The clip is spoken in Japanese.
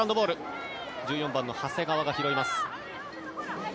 １４番の長谷川が拾います。